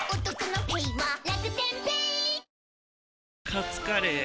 カツカレー？